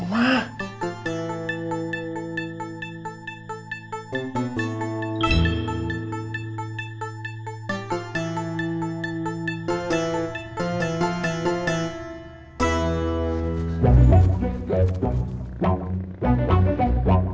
mau nguntut ganti rugi